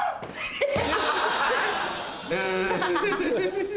ハハハハ！